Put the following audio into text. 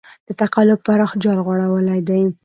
د تقلب پراخ جال غوړولی دی.